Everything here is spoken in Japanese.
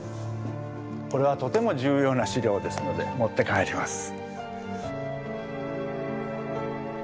これはとても重要な資料ですので持って帰ります。